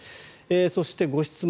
そして、ご質問。